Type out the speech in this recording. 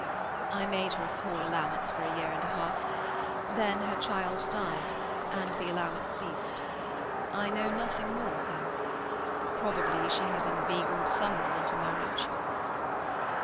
"I made her a small allowance for a year and a half. Then her child died, and the allowance ceased. I know nothing more of her. Probably she has inveigled some one into marriage."